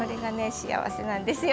幸せなんですよ。